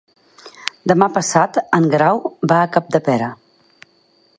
Demà passat en Guerau va a Capdepera.